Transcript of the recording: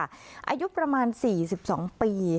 อายุประมาณ๔๒ปี